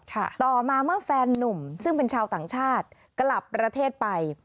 ต่อมาเมื่อแฟนนุ่มซึ่งเป็นชาวต่างชาติกลับประเทศไป